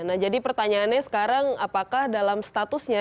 nah jadi pertanyaannya sekarang apakah dalam statusnya